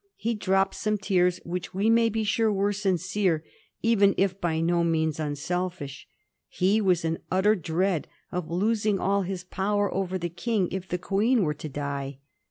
He dropped some tears, which we may be sure were sincere, even if by no means unselfish. He was in utter dread of losing all his power over Xhe King if the Queen were to die.